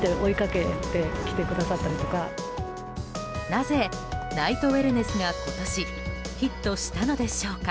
なぜ、ナイトウェルネスが今年ヒットしたのでしょうか。